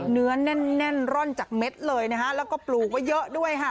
เนื้อแน่นแน่นร่อนจากเม็ดเลยนะฮะแล้วก็ปลูกไว้เยอะด้วยค่ะ